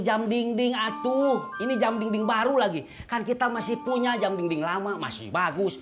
jam dinding aduh ini jam dinding baru lagi kan kita masih punya jam dinding lama masih bagus